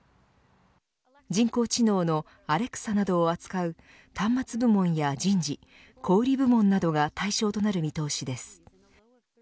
人工知能のアレクサなどを扱う端末部門や人事小売り部門などが対象となる見通しです。